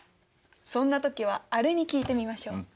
そんな時はあれに聞いてみましょう。